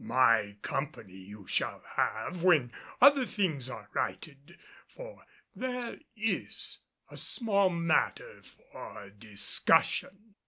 My company you shall have when other things are righted, for there is a small matter for discussion."